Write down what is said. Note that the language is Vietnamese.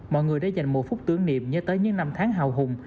mọi người đã dành một phút tưởng niệm nhớ tới những năm tháng hào hùng